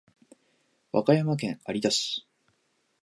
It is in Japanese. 和歌山県有田市